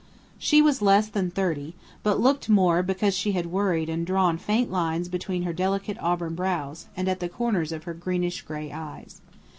She was less than thirty, but looked more because she had worried and drawn faint lines between her delicate auburn brows and at the corners of her greenish gray eyes.